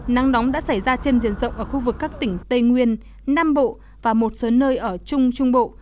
nắng nóng đã xảy ra trên diện rộng ở khu vực các tỉnh tây nguyên nam bộ và một số nơi ở trung trung bộ